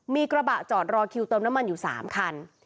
มีกระบะจอดรอคิวเติมน้ำมันอยู่๓คัน